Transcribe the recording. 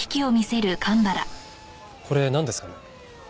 これなんですかね？